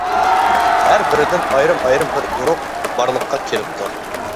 ھەر بىرىدىن ئايرىم-ئايرىم بىر ئۇرۇق بارلىققا كېلىپتۇ.